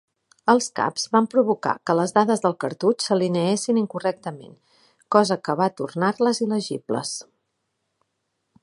Els caps van provocar que les dades del cartutx s'alineessin incorrectament, cosa que va tornar-les il·legibles.